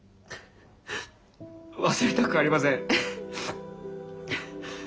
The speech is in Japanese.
忘れたくありません。